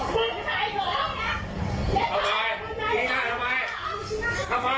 ไปทำงานกัน